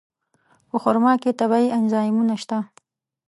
په خرما کې طبیعي انزایمونه شته.